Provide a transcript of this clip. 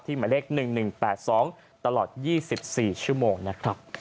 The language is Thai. หมายเลข๑๑๘๒ตลอด๒๔ชั่วโมงนะครับ